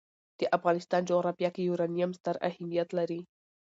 د افغانستان جغرافیه کې یورانیم ستر اهمیت لري.